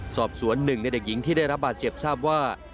สอบสวนหนึ่งในเด็กหญิงที่ได้รับบาดเจ็บทราบว่า